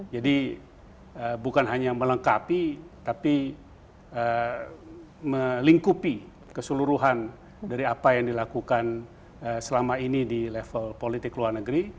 jadi bukan hanya melengkapi tapi melingkupi keseluruhan dari apa yang dilakukan selama ini di level politik luar negeri